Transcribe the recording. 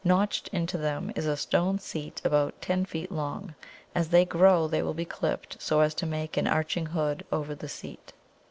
Notched into them is a stone seat about ten feet long; as they grow they will be clipped so as to make an arching hood over the seat.